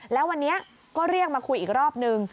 แล้ววันนี้ก็เรียกมาคุยอีกรอบนึง